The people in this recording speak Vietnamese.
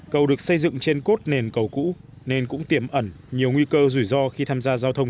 cầu được xây dựng trên cốt nền cầu cũ nên cũng tiềm ẩn nhiều nguy cơ rủi ro khi tham gia giao thông